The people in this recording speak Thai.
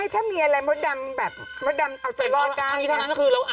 แต่ข้อมูลทั้งหมดคุณแม่รู้